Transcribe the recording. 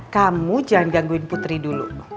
kamu jangan gangguin putri dulu